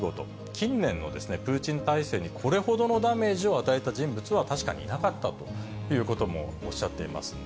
近年のプーチン体制にこれほどのダメージを与えた人物は確かにいなかったということもおっしゃっています。